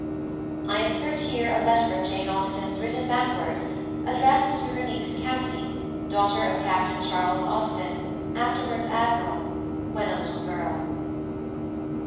_ I insert here a letter of Jane Austen's written backwards, addressed to her niece "Cassy," daughter of Captain Charles Austen (afterwards Admiral) when a little girl.